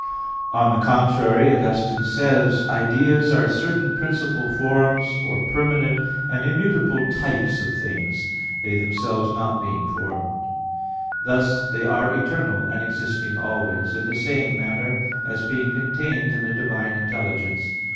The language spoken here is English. On the contrary, Augustine says (Octog. Tri. Quaest. qu. xlvi), "Ideas are certain principal forms, or permanent and immutable types of things, they themselves not being formed. Thus they are eternal, and existing always in the same manner, as being contained in the divine intelligence.